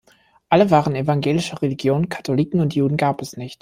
Alle waren evangelischer Religion, Katholiken und Juden gab es nicht.